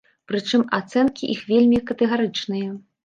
Прычым ацэнкі іх вельмі катэгарычныя.